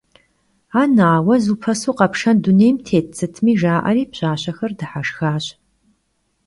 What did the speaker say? Ana, vue zupesu khepşşen dunêym têt sıtmi? – jja'eri pşaşexer dıheşşxaş.